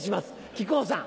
木久扇さん。